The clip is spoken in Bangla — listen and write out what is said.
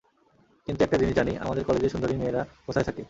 কিন্তু একটা জিনিস জানি আমাদের কলেজের সুন্দরী মেয়েরা কোথায় থাকে?